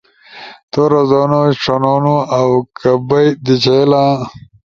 تو رزونو، ݜنونو اؤ کہ بئی دی چھیلا؟